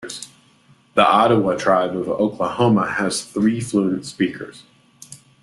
The Ottawa Tribe of Oklahoma has three fluent speakers.